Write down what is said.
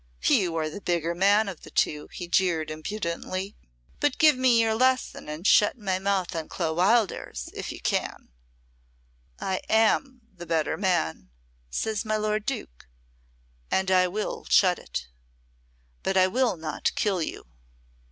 "You are the bigger man of the two," he jeered, impudently, "but give me your lesson and shut my mouth on Clo Wildairs if you can." "I am the better man," says my lord Duke, "and I will shut it. But I will not kill you."